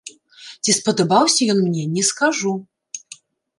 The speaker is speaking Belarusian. Ці спадабаўся ён мне, не скажу.